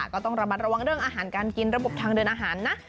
ก็ต้องระมัดระวังเรื่องอาหารการกินระบบทางเดินอาหารนะ